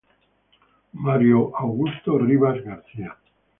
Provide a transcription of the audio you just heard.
Mario Augusto Rivas García.